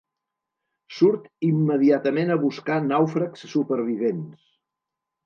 Surt immediatament a buscar nàufrags supervivents.